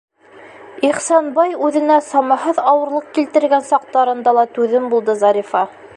Ихсанбай үҙенә самаһыҙ ауырлыҡ килтергән саҡтарында ла түҙем булды Зарифа.